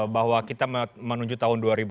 bahwa kita menuju tahun dua ribu dua puluh